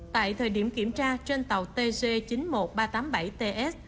tại thời điểm kiểm tra trên tàu tc chín mươi một nghìn ba trăm tám mươi bảy ts